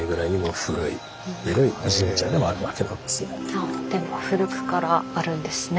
ああでも古くからあるんですね。